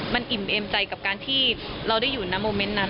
มันอิ่มเอมใจกับการที่เราได้อยู่ในโมเมนต์นั้น